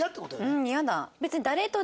うん嫌だ。